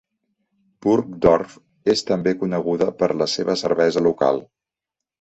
Burgdorf és també coneguda per la seva cervesa local.